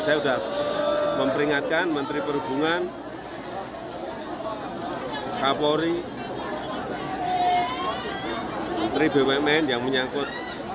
saya sudah memperingatkan menteri perhubungan kapolri menteri bumn yang menyangkut